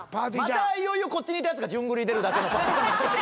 またいよいよこっちにいたやつが順繰りに出るだけの。